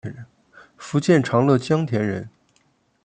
福建长乐江田人。